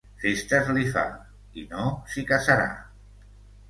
Festes li fa, i no s'hi casarà.